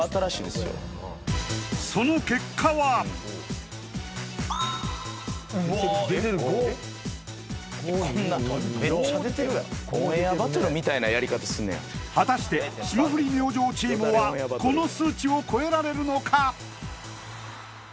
その結果は果たして霜降り明星チームはこの数値を超えられるのか？